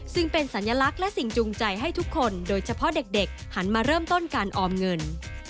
ซึ่งเป็นสัญลักษณ์และสิ่งจูงใจให้ทุกคนโดยเฉพาะเด็กหันมาเริ่มต้นการออมเงิน